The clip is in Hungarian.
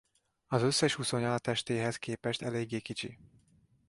Az összes uszonya a testéhez képest eléggé kicsi.